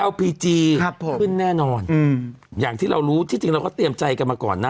เอาพีจีครับผมขึ้นแน่นอนอืมอย่างที่เรารู้ที่จริงเราก็เตรียมใจกันมาก่อนนะ